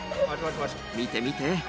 見て見て。